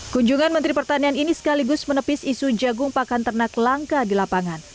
kunjungan menteri pertanian ini sekaligus menepis isu jagung pakan ternak langka di lapangan